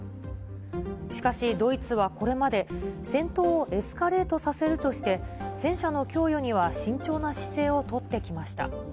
しかしドイツは、これまで、戦闘をエスカレートさせるとして、戦車の供与には慎重な姿勢を取ってきました。